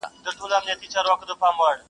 سل روپۍ پور که، یو زوی کابل کي لوی کړه -